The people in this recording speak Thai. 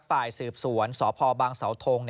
ฝ่ายสืบสวนสพบังเสาทง